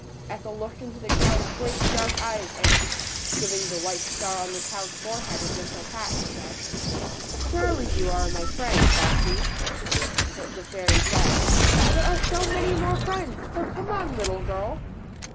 Ethel looked into the cow's great dark eyes and, giving the white star on the cow's fore head a gentle pat, said, "Surely, you are my friend. Bossy." But the fairy said, "There are many more friends, so come on, little girl."